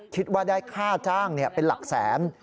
คิดว่าได้ค่าจ้างเป็นหลักแสน